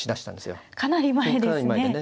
かなり前ですね。